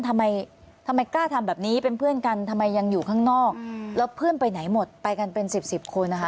ทำไมทำไมกล้าทำแบบนี้เป็นเพื่อนกันทำไมยังอยู่ข้างนอกแล้วเพื่อนไปไหนหมดไปกันเป็นสิบสิบคนนะคะ